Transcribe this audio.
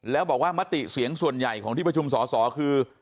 แล้วบอกว่ามติเสียงส่วนใหญ่ของที่ประชุมสอสอคือ